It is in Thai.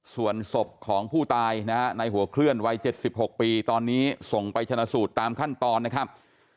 ส่วนศพของผู้ตายนะฮะในหัวเคลื่อนวัย๗๖ปีตอนนี้ส่งไปชนะสูตรตามขั้นตอนนะครับ